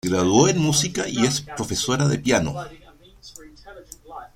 Se graduó en música y es profesora de piano.